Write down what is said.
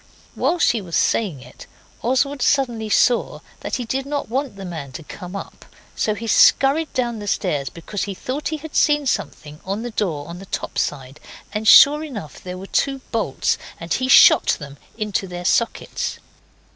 While she was saying it Oswald suddenly saw that he did not want the man to come up. So he scurried down the stairs because he thought he had seen something on the door on the top side, and sure enough there were two bolts, and he shot them into their sockets.